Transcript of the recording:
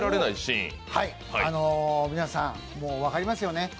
皆さん、もう分かりますよね